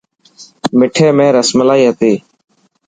مٺي ۾ رسملائي هتي.